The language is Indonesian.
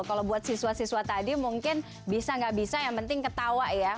kalau buat siswa siswa tadi mungkin bisa nggak bisa yang penting ketawa ya